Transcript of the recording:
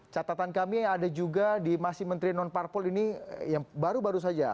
catatan kami yang ada juga di masih menteri non parpol ini yang baru baru saja